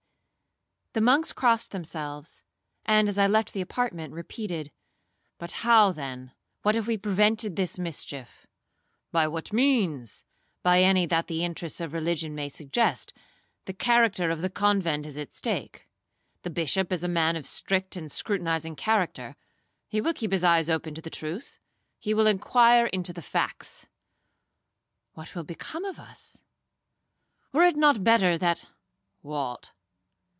'The monks crossed themselves, and, as I left the apartment, repeated, 'But how then,—what if we prevented this mischief?'—'By what means?'—'By any that the interests of religion may suggest,—the character of the convent is at stake. The Bishop is a man of a strict and scrutinizing character,—he will keep his eyes open to the truth,—he will inquire into facts,—what will become of us? Were it not better that—' 'What?'